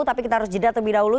tapi kita harus jeda terlebih dahulu